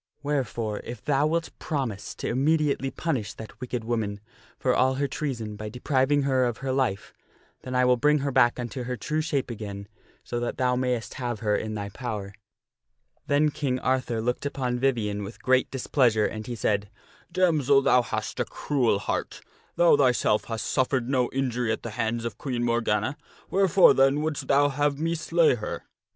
Wherefore, if thou wilt promise to immediately punish that wicked woman for all her treason by depriving her of her life, then will I bring her back unto her true shape again so that thou mayst have her in thy power." Then King Arthur looked upon Vivien with great displeasure, and he said, " Damsel, thou hast a cruel heart ! Thou thyself hast suffered no injury at the hands of Queen Morgana ; wherefore, then, wouldst thou have me slay her?